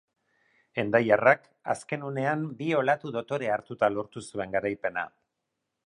Hendaiarrak azken unean bi olatu dotore hartuta lortu zuen garaipena.